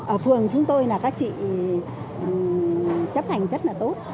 ở phường chúng tôi là các chị chấp hành rất là tốt